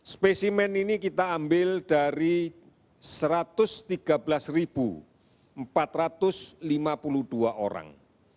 spesimen ini kita ambil dari satu ratus tiga belas empat ratus lima puluh dua orang